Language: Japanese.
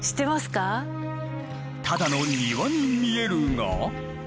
ただの庭に見えるが。